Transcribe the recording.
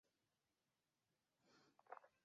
病情只是每下愈况